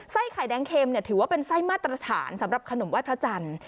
ไข่แดงเค็มถือว่าเป็นไส้มาตรฐานสำหรับขนมไหว้พระจันทร์